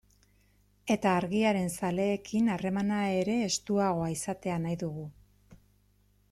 Eta Argiaren zaleekin harremana ere estuagoa izatea nahi dugu.